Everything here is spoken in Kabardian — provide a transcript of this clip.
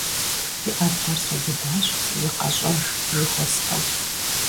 И Ӏэблэр сыубыдащ, зыкъэщӀэж жыхуэсӀэу.